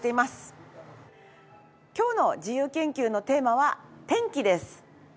今日の自由研究のテーマは天気です。